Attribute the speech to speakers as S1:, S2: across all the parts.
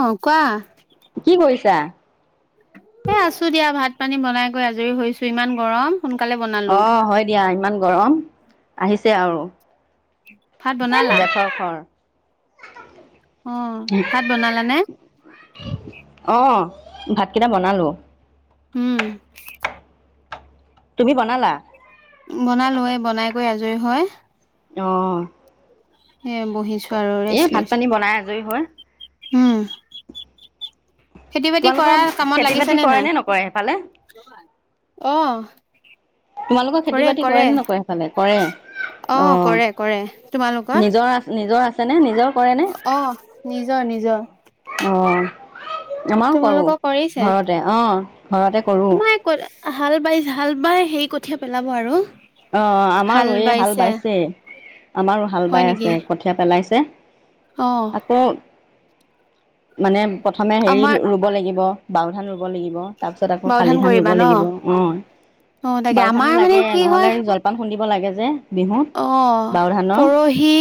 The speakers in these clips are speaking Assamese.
S1: অ কোৱা
S2: ছা
S1: এই আছোঁ দিয়া ভাত পানী বনাই গৈ আজৰি হৈছোঁ। ইমান গৰম। সোনকালে বনালো
S2: অ' হয় দিয়া ইমান গৰম। আহিছে আৰু
S1: ভাত বনালা
S2: জেঠৰ খৰ [unintelligible]
S1: অহ' ভাত বনালা নে?
S2: অ ভাতকেইটা বনালোঁ।
S1: উম।
S2: তুমি বনালা?
S1: বনালোঁ, এই বনাই কৰি আজ য়ী হয়।
S2: অহ'
S1: সেই বহিছোঁ আৰু ৰেষ্ট লৈছোঁ।
S2: আজয়ী হয়।
S1: উম। খেতি বাতি
S2: তোমালোকৰ
S1: কৰাই কামত
S2: খেতি
S1: লাগিছে
S2: বাতি
S1: নে
S2: কৰে
S1: নাই অ'
S2: নকৰে সেইফালে?
S1: কি‌য়নো নাই অহ'
S2: তোমালোকৰ খেতি বাতি কৰে নে নকৰে সফালে কৰে অ
S1: কৰে কৰে
S2: নিজৰ নিজৰ আ চে নে
S1: অঁ নিজৰ নিজৰ
S2: অ আমাৰো কৰো
S1: তোমালোকৰ কৰিছে
S2: ঘৰতে অঁ ঘৰতে কৰো
S1: আমাৰ ক হাল বাই হাল বাই হেই কঠিয়া পেলাব আৰু
S2: অ আমাৰো এই হাল বাইছে আমাৰো হাল
S1: হয়
S2: বাই
S1: নেকি
S2: আছে কঠীয়া পেলাইছে
S1: অ
S2: আছে আকৌ মানে প্ৰথমে হেৰি
S1: আমাৰ
S2: ৰুব লাগিব বওঁধান ৰোব লাগিব তাপাছত আকৌ
S1: বাও
S2: খালি ধান ৰোব
S1: কৰিবা ন
S2: লাগিব অ
S1: অ তাকে
S2: বঁও ধানো
S1: আমাৰ মানে
S2: লাগে
S1: কি
S2: নহলে
S1: হয়
S2: জলপান [unintelligible] লাগে যে বিহুত
S1: অ
S2: বাও ধানৰ
S1: পৰহি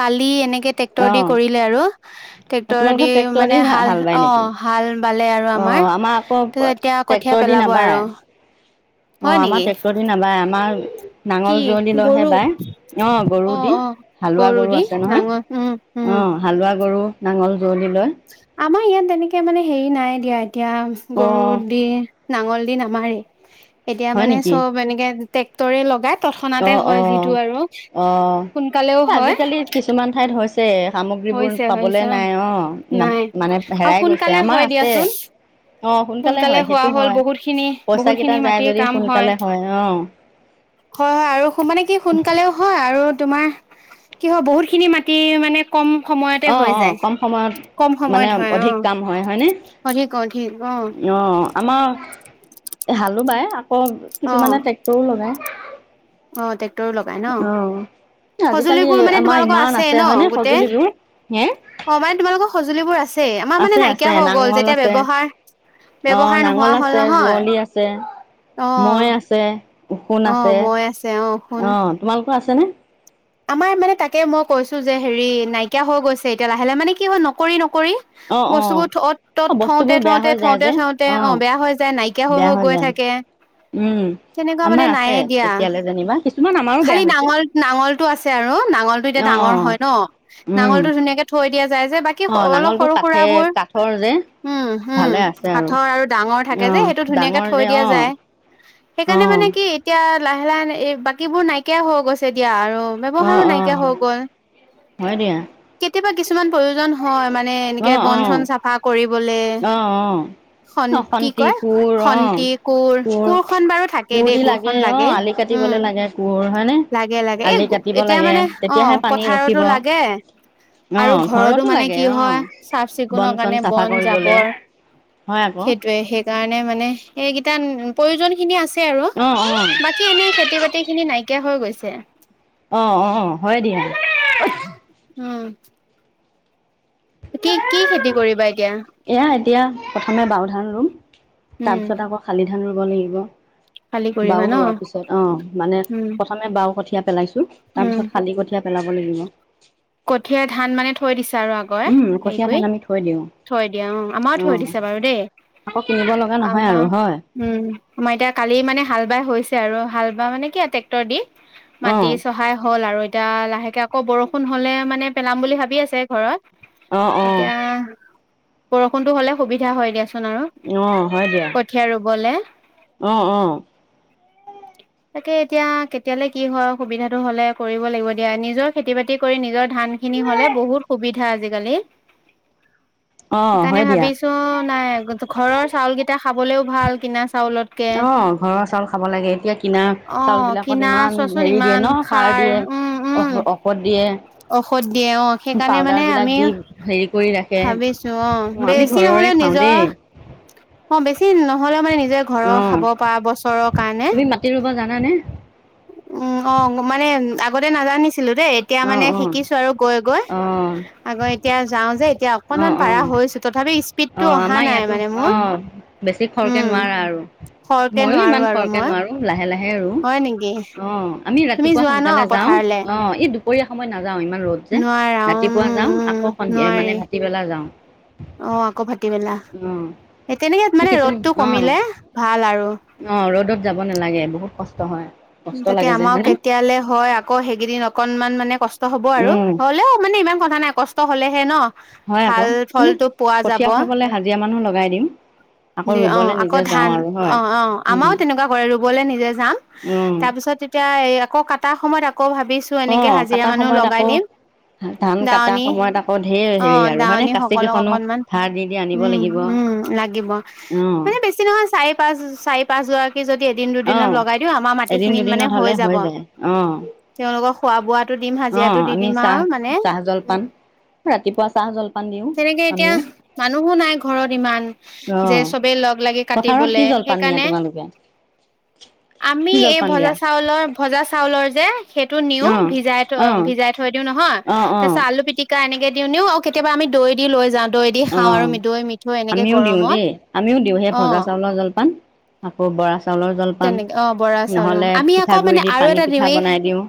S1: কালি এনেকে
S2: অ
S1: ট্ৰেক্টৰ দি কৰিলে আৰু ট্ৰেক্টৰ
S2: তোমালোকৰ
S1: দি
S2: ট্ৰেক্টৰ
S1: মানে হাল
S2: বায়
S1: অ
S2: নেকি
S1: হাল বালে আৰু
S2: অ
S1: আমাৰ
S2: আকৌ
S1: তাপিছত এতিয়া
S2: ট্ৰেক্টৰ
S1: কঠিয়া
S2: দি
S1: পেলাব
S2: নাবায়
S1: আৰু
S2: অ
S1: হয়
S2: আমাৰ
S1: নেকি
S2: ট্ৰেক্টৰ দি নাবায় আমাৰ নাঙল
S1: কি
S2: যুৱলি ল ইহে
S1: গৰু
S2: বাই অ গৰু দি হালোৱা গৰু
S1: দি
S2: আছে নহয়
S1: নাঙল উম উম
S2: অ হালোৱা গৰু নাঙল যৱলি লৈ
S1: আমাৰ ইয়াত তেনেকে মানে হেৰি নাই দিয়া এতিয়া
S2: অ
S1: গৰু দি নাঙল দি নামাৰেই এতিয়া
S2: হয়
S1: মানে
S2: নেকি
S1: চব এনেকে ট্ৰেক্টৰে লগাত
S2: অ অ অ
S1: সোনকালেও হয়
S2: আজিকালি কিছুমান ঠাইত হৈছে ছে সামগ্ৰীবোৰ
S1: হৈছে
S2: পাবলে
S1: হৈছে
S2: নাই অ
S1: নাই
S2: মানে
S1: আৰু
S2: হেৰাই গৈছে
S1: সোনকালে
S2: আমাৰ
S1: হয়
S2: আছে
S1: দিয়াচোন
S2: অ সোনকালে হয়
S1: হোৱা
S2: সেইটো
S1: হ'ল
S2: হয়
S1: বহুত খিনি
S2: পইচা
S1: বহুত
S2: কেইটা
S1: খিনি
S2: যায়
S1: মাটিৰ
S2: যদি
S1: কাম
S2: সোনকালে হয় অ
S1: হয় হয় আৰু মানে কি সোনকালেও হয় আৰু তোমাৰ কি হয় বহুত খিনি মাটি মানে কম সময়তে
S2: অ
S1: হৈ
S2: অ
S1: যায়
S2: কম সময়ত
S1: কম
S2: মানে
S1: সময়ত হয় অ
S2: অধিক কাম হয় হয়নে
S1: অধিক অধিক
S2: অ আমাৰ হালো বাই ক
S1: অ
S2: কিছুমানে ট্ৰেক্টৰো লগায়
S1: অ তে ক্টৰো লগাই ন
S2: অ'। আজিকালি
S1: সঁজুলিবোৰ মানে
S2: আমাৰ
S1: তোমালোকৰ
S2: ইমান
S1: আছে ন
S2: হয়নে
S1: গোটেই
S2: সঁজুলিবোৰ হে
S1: অ মানে তোমালোকৰ সঁজুলিবোৰ আছে আমাৰ মানে
S2: আছে আছে
S1: নাইকিয়া হৈ গল
S2: নাঙল
S1: যেতিয়া
S2: আছে
S1: ব্যৱহাৰ
S2: অ',
S1: ব্যৱহাৰ নোহোৱা
S2: নাঙল
S1: হ'ল
S2: আছে
S1: নহয়
S2: যুৱলি আছে।
S1: অ
S2: মই আছে উষুণ
S1: অ
S2: আছে
S1: মই আছে অ শুন
S2: অ তোমাল আছেনে
S1: আমাৰ মানে তাকে মই কৈছো যে হেৰি নাইকিয়া হৈ গৈছে এতিয়া লাহে লাহ মানে কি হল নকৰি ন কৰি
S2: অ অ
S1: বস্তুবোৰ তত তত
S2: অ
S1: থওতে
S2: বস্তুবোৰ বেয়া
S1: থওতে
S2: হৈ যায়
S1: থওতে
S2: যে
S1: থওতে অ বেয়া হৈ যায় নাইকিয়া হৈ
S2: বেয়া
S1: হৈ গৈ
S2: যায়
S1: থাকে
S2: উম
S1: তেনেকুৱা
S2: আমাৰ
S1: মানে
S2: আছে
S1: নাইে দিয়া
S2: এতিয়ালৈ যেনিবা কিছুমান আমাৰো
S1: খালি
S2: বেয়া হৈছে
S1: নাঙল নাঙল আছে আৰু নাঙল টো এতিয়া
S2: অ
S1: ডাঙৰ হয়
S2: উম
S1: নাঙল টো ধুনীয়াকে থৈ দিয়া যায় যে বাকী
S2: অ
S1: অলপ
S2: নাঙলটো
S1: সৰু সুৰা
S2: কাঠে
S1: বোৰ
S2: কাঠৰ যে
S1: উম উম
S2: ভালে আছে
S1: কাঠৰ আৰু ডাঙৰ থাকে
S2: অ
S1: যে ধুনীয়াকৈ
S2: ডাঙৰ
S1: থৈ
S2: যে
S1: দিয়া
S2: অ
S1: যায়
S2: অ
S1: সেইকাৰণে মানে কি এতিয়া লাহে লাহে এই বাকীবোৰ নাইকিয়া হৈ গৈছে দিয়া আৰু
S2: অ
S1: ব্যহাৰো
S2: অ
S1: নাইকিয়া হৈ গ'ল
S2: হয় দিয়া
S1: কেতিয়াবা কিছুমান প্ৰয়োজন হয় মানে
S2: অ
S1: এনেকে
S2: অ
S1: বন চন চাফা কৰিব
S2: অ অ
S1: কি
S2: অসন্তি
S1: কয়
S2: কোৰ অ
S1: খন্তি
S2: কোৰ
S1: কোৰখন বাৰু থাকে
S2: কোৰ
S1: দেই
S2: দি
S1: কোৰখন
S2: লাগে অ আলি
S1: উম
S2: কাটিবলে লাগে কোৰ হয়নে
S1: লাগে লাগে এই
S2: আলি কাটি
S1: এতিয়া মানে অ পথাৰতো লাগে
S2: অ
S1: আৰু ঘৰতো মানে
S2: লাগে
S1: কি
S2: অ
S1: হয় চাফ
S2: বন
S1: চিকুণৰ
S2: চন
S1: কাৰণে
S2: চাফা
S1: বন
S2: কৰিবলে।
S1: বৰ
S2: হয় আকৌ
S1: সেইটোৱে সেইকাৰণে মানে সেইকেইটা প্ৰয়োজন খিনি আছে আৰু
S2: অ অ
S1: বাকী এনে খেতি বাতি খিনি নাই নাইকিয়া হৈ গৈছে
S2: অ অ হয় দিয়া
S1: উম কি কি খেতি কৰিবা এতিয়া
S2: এয়া এতিয়া প্ৰথমে বাওধান ৰুম
S1: উম
S2: তাৰপিছত আকৌ শালি ধান ৰুব লাগিব
S1: খালি কৰিবা
S2: বাও
S1: ন
S2: ৰোৱাৰ পিছত অ মানে
S1: উম
S2: প্ৰথমে বাও কঠ পেলাইছো তাৰ পিছত শালি কঠীয়া পেলাব লাগিব
S1: কঠিয়া ধান মানে থৈ দিছে এতিয়া আগৰ
S2: উম
S1: হেৰি
S2: কঠীয়া
S1: কৰি
S2: ধান আমি থৈ দিওঁ
S1: থৈ দিয়া অ আমাৰ থৈ দিছো বাৰু দেই
S2: আকৌ কিনিব লগা নহয়
S1: আমাৰ
S2: আৰু হয়।
S1: উম আমাৰ এতিয়া কালি মানে হাল বাই হৈছে আৰু হাল বা মানে কি ট্ৰেক্টৰ দি
S2: অ
S1: মাটি চহাই হ'ল আৰু এতিয়া লাহেকে আকৌ বৰষুণ নহলে মানে পেলাম বুলি ভাবি আছে ঘৰত
S2: অ অ
S1: এতিয়া বৰষুণটো হ'লে সুবিধা হয় দিয়াসু
S2: আহ হয় দিয়া আহ আহ
S1: তাকে এতিয়া কেতিয়ালে কি হয় সুবিধাটো হলে কৰিব লাগিব দিয়া নিজৰ খেতি বাতি কৰি নিজৰ ধান খিনি হলে বহুত সুবিধা আজিকালি
S2: অ',
S1: সেইকাৰণে
S2: হয় দিয়া।
S1: ভাবিছো নাই ঘৰৰ চাউল কেইটা খাবলেও ভাল কিনা চাউলতকে
S2: অ', ঘৰৰ চাউল খাব লাগে এতিয়া কিনা
S1: অ
S2: চাউল বিলাকত
S1: কিনা
S2: ইমান
S1: চোৱাচোন
S2: হেৰি দিয়ে
S1: ইমান
S2: ন' সাৰ
S1: উম উম
S2: দিয়ে ঔষধ দে
S1: ঔষধ দিয়ে অ', সেইকাৰণে মানে
S2: বিলাক
S1: আমি
S2: দি হেৰি কৰি ৰাখে।
S1: ভাবিছো অ',
S2: আমি
S1: বেছি
S2: ঘৰৰে
S1: নহ'লেও
S2: খাওঁ
S1: নিজৰ
S2: দেই
S1: অ', বেছি নহ'লেও মানে নিজৰ ঘৰৰ
S2: অ',
S1: খাব পৰা বছৰৰ কাৰণে।
S2: নানে
S1: উম, অ', মানে আগতে নাজানি ছিলো দেই এতিয়া মানে
S2: অ', অ',
S1: শিকিছো আৰু গৈ গৈ
S2: অ',
S1: আগৌ এতিয়া যাওঁ যে। এতিয়া
S2: অ',
S1: অকনমান পাৰা
S2: অ',
S1: হৈছো তথাপি স্পীডটো
S2: অ',
S1: অহা
S2: আমাৰ
S1: নাই
S2: ইয়াতো
S1: মানে মোৰ
S2: অ', বেছি খৰকে
S1: উম
S2: নোৱাৰা আৰু
S1: খৰকে
S2: মইয়ো
S1: নোৱাৰো
S2: ইমান
S1: আৰু
S2: খৰকে
S1: মই
S2: নোৱাৰো লাহে লাহে আৰু
S1: হয় নেকি
S2: অ', আমি
S1: তুমি
S2: ৰাতিপুৱা
S1: যোৱা ন
S2: সোনকালে যাওঁ
S1: পথাৰলে?
S2: অ', এই দু পৰিয়া সময় নাম যাওঁ ইমান ৰ'দ যে
S1: নোৱাৰা
S2: ৰাতিপুৱা যাওঁ আকৌ সন্ধিয়া মানে যাওঁ
S1: অহ, আকৌ ভাটিবেলা
S2: অ',
S1: সেই তেনেকে মানে
S2: কিছুমান
S1: ৰ'দটো
S2: অ',
S1: কমিলে ভাল আৰু।
S2: অ', ৰ'দত যাব নালাগে বহুত কষ্ট হয়। কষ্ট
S1: তাকে
S2: লাগে যে
S1: আমাৰ
S2: হয়নে
S1: কেতিয়ালে হয় আকৌ সেইকেইদিন নক অকনমান মানে কষ্ হ'ব আৰু
S2: উম,
S1: হ'লেও মানে ইমান কথা নাই কষ্ট হ'লেহে ন'।
S2: হয় আকৌ
S1: ভাল
S2: এনে
S1: ফলটো পোৱা যাব
S2: কঠীয়া উঠাবলৈ হাজিৰা মানুহ লগাই দিম আকৌ
S1: দি অ',
S2: ৰুবলে
S1: আকৌ
S2: নিজে যাওঁ
S1: ধান
S2: আৰু হয়।
S1: অ', অ',
S2: উম,
S1: আমাৰও তেনেকুৱা কৰে ৰুবলৈ নিজে যাম।
S2: উম,
S1: তাৰ পিছত তেতিয়া এ আকৌ কাটাৰ সময়ত আকৌ আকৌ ভাবিছো এনেকে
S2: অ',
S1: হাজিৰা
S2: কটা
S1: মানুহ
S2: সময়ত
S1: লগাই
S2: আকৌ
S1: দিম
S2: ধান কটা
S1: দাৱনী
S2: সময়ত আকৌ ঢেৰ হেৰি
S1: অ',
S2: আৰু হয়নে
S1: দাৱনী
S2: কাচি
S1: সকলক
S2: কেইখনো
S1: অকনমান
S2: ধাৰ দি দি আনিব
S1: উম,
S2: লাগিব
S1: উম, লাগিব মানে বেছি নহয় চাৰি পাঁচ চাৰি পাঁচ গৰাকী যদি এদিন দুদিনত লগাই দিওঁ আমাৰ মাটি নি
S2: দিনত হ'লে হৈ যায় অ'।
S1: লগ খোৱা-বোৱা
S2: অ', আমি চাহ, চাহ জল
S1: উ
S2: পান ৰাতিপুৱা চাহ, জল পা
S1: তেনেকে এতিয়া মানুহো নাই ঘৰত ইমান যে
S2: অ',
S1: চবেই লগ লাগি
S2: পথাৰত কি
S1: কাটিবলে
S2: জলপান নিয়া
S1: সেইকাৰণে,
S2: তোমালোকে
S1: আমি
S2: কি
S1: এই
S2: জলপান দিয়া
S1: ভজা চাউলৰ ভজা চাউলৰ যে সেইটো নিও
S2: অ',
S1: ভিজাই থ'
S2: অ',
S1: ভিজাই থৈ দিওঁ নহয়
S2: অ',
S1: তাৰ
S2: অ',
S1: পিছত আলু পিটিকা এনেকে নিওঁ অ', কেতিয়াবা আমি দৈ দি লৈ যাম।
S2: অ', আমিও দিওঁ
S1: গৰমত
S2: দেই, আমিও দিওঁ সেই
S1: অ
S2: ভজা চাউলৰ জলপান। আকৌ বৰা চাউলৰ জলপান
S1: তেনেকে অ বৰা চাউল অ
S2: নহ'লে
S1: আমি আকৌ
S2: পিঠাগুড়ি
S1: মানে
S2: দি
S1: আৰু
S2: পানী
S1: এটা
S2: পিঠা
S1: দিওঁ এই
S2: বনাই দিওঁ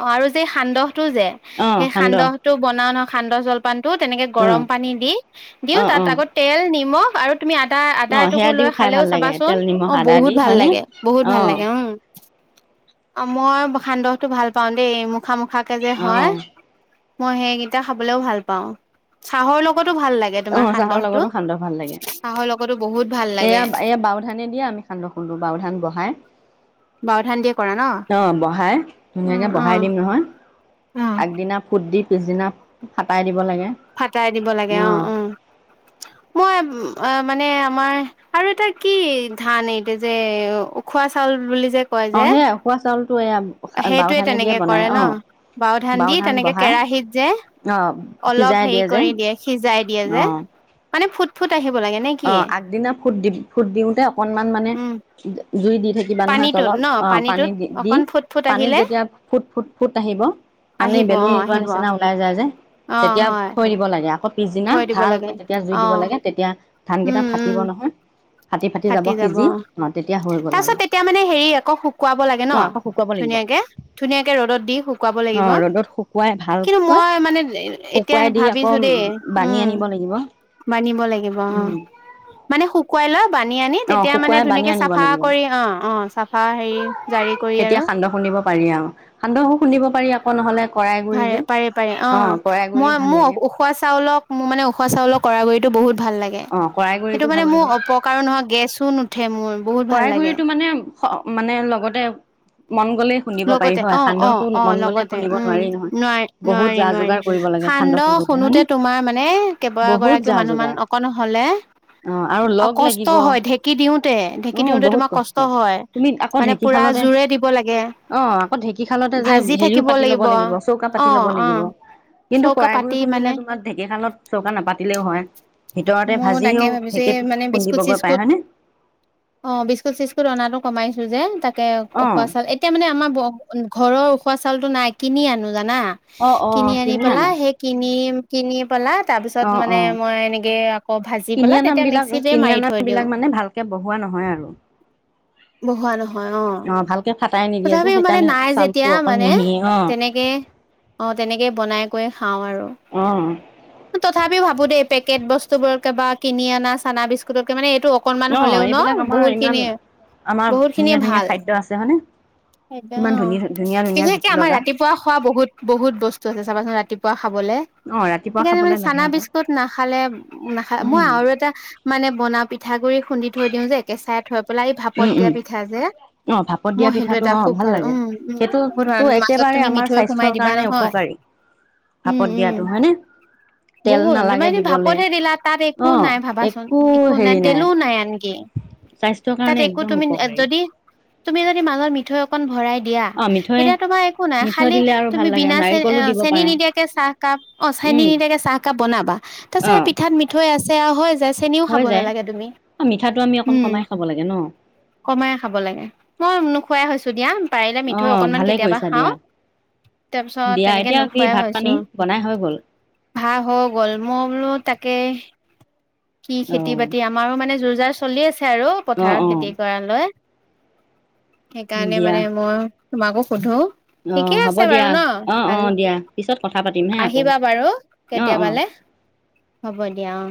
S1: অ আৰু যে সান্দহটো যে
S2: অ',
S1: সেই
S2: সান্দহ
S1: সান্দহটো বনাওঁ নহয় সান্দহ জলপানটো তেনেকে গৰম
S2: অ',
S1: পানী দি দিওঁ
S2: অ',
S1: তাত
S2: অ',
S1: আকৌ তেল নিমখ আৰু তুমি আদা আদা
S2: অ',
S1: এটুকো
S2: সেয়া
S1: লৈ
S2: দিও খাই
S1: খালেও
S2: ভাল লাগে
S1: চাবাচোন
S2: তেল
S1: অ
S2: নিমখ আদা দি
S1: বহুত ভাল
S2: হয়নে
S1: লাগে বহুত ভাল
S2: অ',
S1: লাগে উম মই সান্দহ ভাল পাওঁ দেই মোক মুখা মুখাকে যে হয়
S2: অ',
S1: মই সেইকেইটা খাবলৈও ভাল পাওঁ চাহৰ লগত
S2: অ চাহৰ লগতো সান্দহ ভাল লাগে
S1: চাহৰ লগতো বহুত ভাল লাগে
S2: এয়া এয়া বাওধানে দিয়ে আমি সান্দহ খুন্দো বাও ধান বহাই
S1: বাওধান দিয়ে কৰা ন
S2: অ বহাই
S1: উম
S2: ধুনীয়াকে বহাই দিম নহয়
S1: উম
S2: আগদিনা ফুট দি পিছদিনা ফাতাই দিব লাগে
S1: ফাতাই দিব লাগে অ অ মই অ মানে আমাৰ আৰু এটা কি ধান এইতিয়া যে উখোৱা চাউল বুলি যে কয়
S2: অ
S1: যে
S2: সেয়াই খোৱা চাউল
S1: সেইটোৱে তেনেকে কৰে ন বাও ধান দি তেনেকে কেৰাহিত যে
S2: অ
S1: অলপ
S2: সিজাই
S1: হেৰি
S2: যে
S1: কৰি দিয়ে সিজাই দিয়ে যে
S2: অ
S1: মানে ফুট ফুট আহিব লাগে নে
S2: অ
S1: কি
S2: আগদিনা ফুট দি ফুট দিওঁতে অকনমান মানে
S1: উম
S2: জুই দি থাকিবা নহয়
S1: পানীটোত
S2: তলত
S1: ন
S2: অ পানী
S1: পানীটোত
S2: দি দি
S1: অকন ফুট ফুট
S2: পানীত
S1: আহিলে
S2: যেতিয়া ফুট ফুট ফুট আহিব মানে
S1: আহিব
S2: বেলুন
S1: অ',
S2: ওলোৱাৰ
S1: আহিব
S2: নিচিনা ওলাই যায় যে
S1: অ',
S2: তেতিয়া
S1: হয়
S2: থৈ দিব লাগে আকৌ পিছদিনা
S1: থৈ দিব
S2: ভালকে
S1: লাগে
S2: তেতিয়া জুই দিব
S1: অ',
S2: লাগে তেতিয়া ধানকেইটা
S1: উম উম
S2: ফাটিব নহয়
S1: ফাটি যাব
S2: সিজি অ' তেতিয়া হৈ গ'ল আৰু
S1: তাৰপিছত তেতিয়া মানে হেৰি আকৌ শুকুৱাব লাগে ন
S2: অ' আকৌ শুকুৱাব লাগিব
S1: ধুনীয়াকে ধুনীয়াকে ৰ'দত দি শুকুৱাব লাগিব
S2: অ' ৰ'দত শুকুৱাই
S1: কিন্তু
S2: ভালকৈ
S1: মই মানে এতিয়া
S2: শুকুৱাই দি আকৌ
S1: ভাবিছো দেই
S2: বানি
S1: উম
S2: আনিব লাগিব
S1: মানিব লাগিব অ
S2: উম
S1: মানে শুকুৱাই লৈ বানি আনি
S2: অ'
S1: তেতিয়া মানে
S2: শুকুৱাই বানি
S1: ধুনীয়াকে
S2: আনিব
S1: চাফা
S2: লাগিব
S1: কৰি অ অ চাফা হেৰি জাৰি কৰি
S2: তেতিয়া
S1: আৰু
S2: সান্দহ খুন্দিব পাৰি আৰু সান্দহো খুন্দিব পাৰি আকৌ নহলে কৰাই গুৰি
S1: পাৰে
S2: যে
S1: পাৰে পাৰে অ
S2: কৰাই গুৰি
S1: মই
S2: ভাল
S1: মোক
S2: লাগে
S1: উখোৱা চাউলক মোৰ মানে উখোৱা চাউলৰ কৰাই গুড়িটো বহুত ভাল লাগে
S2: অ কৰাই
S1: সেইটো
S2: গুৰিটো
S1: মানে
S2: ভাল
S1: মোৰ
S2: লাগে
S1: অপকাৰো নহয় গেছো নুঠে মোৰ বহুত ভাল
S2: কৰাই
S1: লাগে
S2: গুড়িটো মানে মানে লগতে মন গ'লেই খুন্দিব পাৰি
S1: লগতে
S2: হয়
S1: অ অ
S2: সান্দহটো
S1: অ
S2: মন গ'লে
S1: লগতে
S2: খুন্দিব
S1: উম
S2: নোৱাৰি নহয়
S1: নোৱাৰি
S2: বহুত
S1: নোৱাৰি
S2: যা
S1: নোৱাৰি
S2: যোগাৰ কৰিব লাগে
S1: সান্দহ খুন্দোতে
S2: হয়নে
S1: তোমাৰ মানে
S2: বহুত
S1: কেইবাগৰাকীও
S2: যা
S1: মানুহ মান
S2: যোগাৰ
S1: অকন হলে
S2: অ আৰু
S1: অ
S2: লগ
S1: কষ্ট
S2: লাগিব
S1: হয় ঢেঁকী দিওঁতে
S2: অ
S1: ঢেঁকী দিওতে
S2: বহুত
S1: তোমাৰ কষ্ট হয়
S2: তুমি আকৌ
S1: মানে পুৰা
S2: ঢেঁকীশালতে
S1: জোৰে দিব লাগে
S2: অ আকৌ ঢেঁকীশালতে যে
S1: ভাজি
S2: হেৰিও
S1: থাকিব
S2: পাতি ল'ব লাগিব চৌকা
S1: অ
S2: পাতি ল'ব
S1: অ
S2: লাগিব কিন্তু
S1: চৌকা
S2: কৰাই গুৰি
S1: পাতি মানে
S2: খুন্দিলে তোমাৰ ঢেঁকীশালত চৌকা নাপাতিলেও হয় ভিতৰতে
S1: মোৰ তাকে
S2: ভাজিও
S1: ভাবিছো এই
S2: ঢেঁকীত
S1: মানে বিস্কুট
S2: খুন্দিবগৈ পায়
S1: চিস্কুট
S2: হয়নে
S1: অ বিস্কুট চিস্কুট অনাটো কমাইছো যে তাকে
S2: অ'।
S1: এক আমাৰ ঘৰৰ ওচৰৰ চাউল চাউলতো নাই কিনি আনো জানা
S2: অ', অ',
S1: কিনি আনি পেলাই
S2: আনা?
S1: সেই কিনি কিনি পেলাই তাৰ পিছত
S2: অ',
S1: মানে
S2: অ',
S1: মই এনেকে আকৌ ভাজি
S2: কিনি
S1: পেলাই তেতিয়া
S2: আনাবিলাক
S1: মিক্সিতে
S2: কিনি
S1: মাৰি থৈ দিও।
S2: আনাবিলাক মানে ভালকে বহোৱা নহয় আৰু।
S1: বহোৱা নহয় অ
S2: ভালকে ফাটাই নিদিয়ে যে
S1: তথাপিও মানে
S2: সেইকাৰণে
S1: নাই
S2: চাউলটো
S1: যেতিয়া
S2: অকণ
S1: মানে
S2: মিহি অ',
S1: তেনেকে অ তেনেকে বনাই কৈ খাওঁ আৰু
S2: অ'।
S1: তথাপি ভাবো দেই পেকেট বস্তু বোৰকে বা কিনি অনা চানা বিস্কুটতকে মানে এইটো অকনমান
S2: অ
S1: হলেও ন
S2: এইবিলাক আমাৰ
S1: বহুত
S2: ইমান
S1: খিনিয়ে
S2: আমাৰ
S1: বহুত খিনিয়ে
S2: ধুনীয়া ধুনীয়া
S1: ভাল
S2: খাদ্য আছে হয়নে? ইমান
S1: একদম
S2: ধুনীয়া ধুনীয়া ধুনীয়া
S1: বিশেষকে
S2: জুতি
S1: আমাৰ
S2: লগা
S1: ৰাতিপুৱা খোৱা বহুত বহুত বস্তু আছে চাবাচোন ৰাতিপুৱা খাবলে
S2: অ', ৰাতিপুৱা
S1: সেইকাৰণে মানে
S2: খাবলৈ লাগে
S1: চানা
S2: আকৌ।
S1: বিস্কুট নাখালে নাখায়
S2: উম,
S1: মই আৰু এটা মানে বনা পি পিঠাগুড়ি খুন্দি থৈ দিওঁ যে একেচ থৈ পেলাই এই ভাপত
S2: উম,
S1: দিয়া
S2: উম,
S1: পিঠা যে
S2: অ', ভাপত দিয়া
S1: মই
S2: পিঠাটো অ',
S1: খুব ভাল
S2: লাগে।
S1: উম উম বহুত
S2: সেইটোতো
S1: ভাল মাজত
S2: একেবাৰে
S1: তুমি
S2: আমাৰ
S1: মিঠৈ সোমাই
S2: স্বাস্থ্যৰ
S1: দিবা
S2: কাৰণে
S1: নহয়
S2: উপকাৰী
S1: উম
S2: ভাপত
S1: উম
S2: দিয়াটো হয়নে? তেল
S1: বহুত তোমাৰ
S2: নালাগে
S1: এনে
S2: দিবলে
S1: ভাপতহে দিলা তাত একো নাই ভাবাচোন একো নাই তেলো নাই আনকি
S2: স্বাস্থ্যৰ
S1: তাত
S2: কাৰণে
S1: একো
S2: একদম
S1: তুমি
S2: উপকাৰী
S1: যদি তুমি যদি মাজত থৈ অকণ ভৰাই দিয়া
S2: অ', মিঠৈ
S1: তেতিয়া তোমাৰ একো নাই
S2: মিঠৈ
S1: খালি
S2: দিলে আৰু ভাল
S1: তুমি
S2: লাগে
S1: বিনা চে
S2: নাৰিকলো
S1: অ
S2: দিব
S1: চেনী
S2: পাৰা
S1: নিদিয়াকে চাহ কাপ অ চেনী
S2: উম,
S1: নিদিয়াকে চাহ কাপ বনাবা তাচত
S2: অ',
S1: পিঠাত মিথৈ আছে অঁ হয় চেনীও
S2: হৈ
S1: খাব
S2: যায়।
S1: নালাগে তুমি
S2: অ', মিঠাটো আমি অকণ
S1: উম
S2: কমাই খাব লাগে ন
S1: কমাই খাব লাগে। মই খুৱাই হৈছোঁ দিয়া পাৰিলে মিথৈ
S2: অ',
S1: অকনমান
S2: ভালে
S1: কেতিয়াবা
S2: কৰিছা
S1: খাওঁ
S2: দিয়া।
S1: তাৰপিছত
S2: দিয়া
S1: তেনেকে
S2: এতিয়া কি
S1: নোখোৱাই
S2: ভাত পানী
S1: হৈছো
S2: বনাই হৈ গ'ল
S1: ভাহ হ গল মল ত কে খেতি
S2: অ',
S1: বাতি আমাৰো মানে যোৰ যাৰ চলি আছে ছে আৰু
S2: অ',
S1: পথাৰৰ
S2: অ',
S1: খেতি কৰালৈ সেইকাৰণে
S2: দিয়া।
S1: মানে মই তোমাকো সোধো
S2: অ
S1: ঠিকে
S2: হ'ব
S1: আছে
S2: দিয়া
S1: বাৰু ন
S2: অ অ
S1: ভাল
S2: দিয়া পিছত কথা পাতিম হে আকৌ
S1: আহিবা বাৰু
S2: অ অ
S1: কেতিয়াবালে হ'ব দিয়া অ